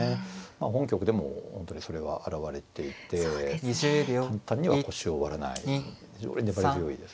本局でも本当にそれは表れていて簡単には腰を割らない非常に粘り強いです。